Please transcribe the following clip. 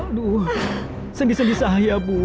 aduh sendi sendi saya bu